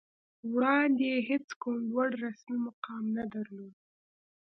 وړاندې یې هېڅ کوم لوړ رسمي مقام نه درلود